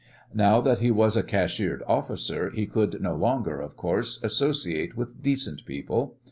Now that he was a cashiered officer he could no longer, of course, associate with decent people.